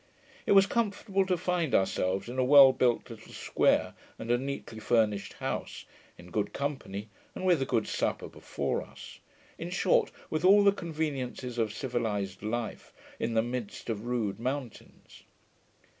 It was comfortable to find ourselves in a well built little square, and a neatly furnished house, in good company, and with a good supper before us; in short, with all the conveniencies of civilized life in the midst of rude mountains.